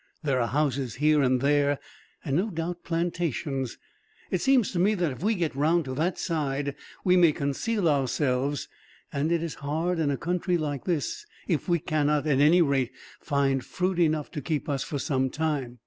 There are houses, here and there, and no doubt plantations. It seems to me that if we get round to that side we may conceal ourselves; and it is hard, in a country like this, if we cannot, at any rate, find fruit enough to keep us for some time.